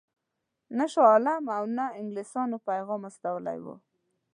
نه شاه عالم او نه انګلیسیانو پیغام استولی وو.